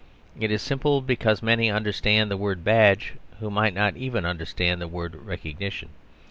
It is simple, because many understand the word "badge," who might not even understand the word "recognition."